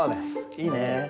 いいね。